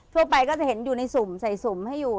ทั่วไปก็จะเห็นอยู่ในสุ่มใส่สุ่มให้อยู่